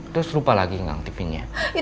terus lupa lagi gak hpnya